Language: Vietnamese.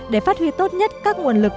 để phát huy tốt nhất các nguồn lực